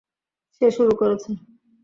সে শুরু করেছে।